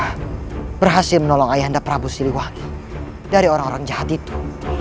jika kau berhasil menolong ayah anda prabu siliwangi dari orang orang jahat itu